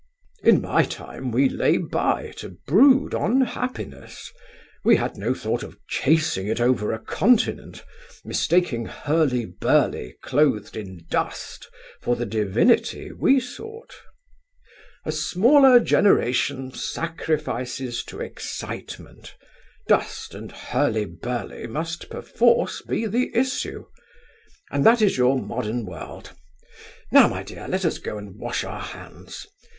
In my time we lay by to brood on happiness; we had no thought of chasing it over a continent, mistaking hurly burly clothed in dust for the divinity we sought. A smaller generation sacrifices to excitement. Dust and hurly burly must perforce be the issue. And that is your modern world. Now, my dear, let us go and wash our hands.